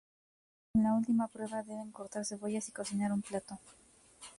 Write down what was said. En la última prueba, deben cortar cebollas y cocinar un plato.